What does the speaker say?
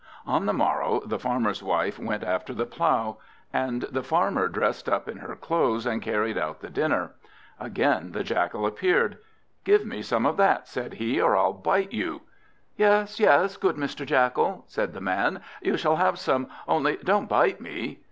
On the morrow, the Farmer's wife went after the plough, and the Farmer dressed up in her clothes and carried out the dinner. Again the Jackal appeared. "Give me some of that," said he, "or I'll bite you." "Yes, yes, good Mr. Jackal," said the man, "you shall have some, only don't bite me."